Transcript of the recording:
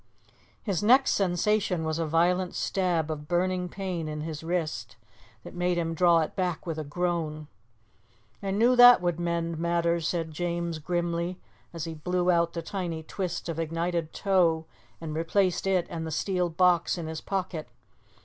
His next sensation was a violent stab of burning pain in his wrist that made him draw it back with a groan. "I knew that would mend matters," said James grimly, as he blew out the tiny twist of ignited tow and replaced it and the steel box in his pocket.